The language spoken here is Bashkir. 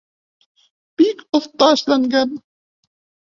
Бик оҫта эшләнгән.